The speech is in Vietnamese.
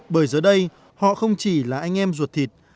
bởi giờ đây họ không chỉ là anh em ruột thịt